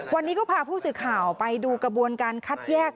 วันนี้ก็พาผู้สื่อข่าวไปดูกระบวนการคัดแยก